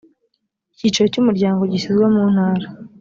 icyicaro cy umuryango gishyizwe mu ntara